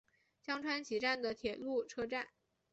江川崎站的铁路车站。